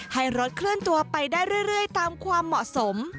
ให้รถเคลื่อนตัวไปได้เรื่อยตามความเหมาะสม